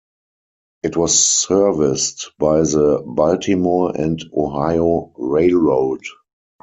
It was serviced by the Baltimore and Ohio Railroad.